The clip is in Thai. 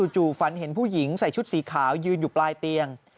จู่ฝันเห็นผู้หญิงใส่ชุดสีขาวยืนอยู่ปลายเตียง